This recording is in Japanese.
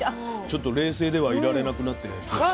ちょっと「冷静」ではいられなくなってきました。